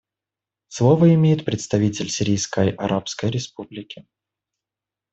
Слово имеет представитель Сирийской Арабской Республики.